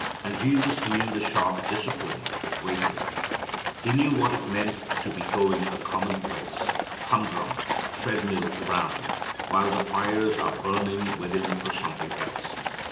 And Jesus knew the sharp discipline of waiting. He knew what it meant to be going a commonplace, humdrum, tread mill round while the fires are burning within for something else.